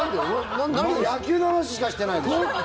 野球の話しかしてないですよ。